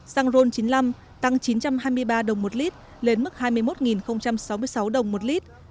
xăng ron chín mươi năm tăng chín trăm hai mươi ba đồng một lít lên mức hai mươi một sáu mươi sáu đồng một lít